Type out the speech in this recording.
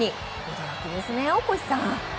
驚きですね、大越さん。